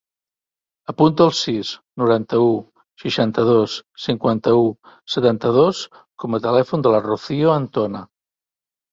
Apunta el sis, noranta-u, seixanta-dos, cinquanta-u, setanta-dos com a telèfon de la Rocío Antona.